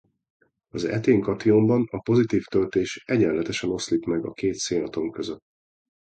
A etén kationban a pozitív töltés egyenletesen oszlik meg a két szénatom között.